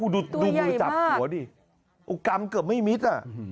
ดูมือจับหัวดิอุกรรมเกือบไม่มิด